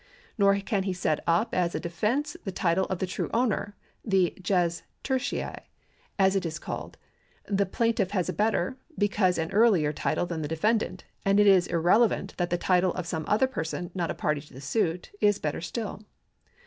Nor can he set up as a defence the title of the true owner — the jus tertii, as it is called ; the plaintiff has a better, because an earlier, title than the defendant, and it is irrelevant that the title of some other person, not a party to the suit, is better still.